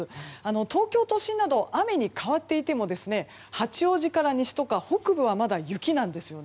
東京都心など雨に変わっていても八王子から西とか北部はまだ雪なんですよね。